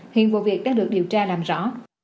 hiện vụ việc đã được điều tra làm rõ